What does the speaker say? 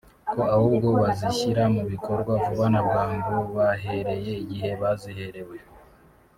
ko ahubwo bazishyira mu bikorwa vuba na bwangu bahereye igihe baziherewe